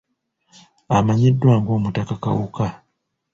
Amanyiddwa ng'Omutaka Kawuka.